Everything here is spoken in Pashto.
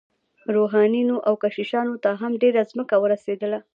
روحانیونو او کشیشانو ته هم ډیره ځمکه ورسیدله.